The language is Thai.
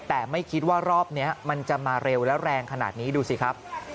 แต่ไม่คิดว่ารอบนี้มันจะมาเร็วและแรงขนาดนี้ดูสิครับ